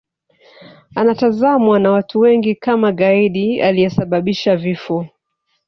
Anatazamwa na watu wengi kama gaidi aliyesababisha vifo